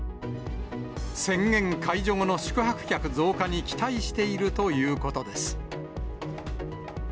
宣言解除後の宿泊客増加に期待しているということです。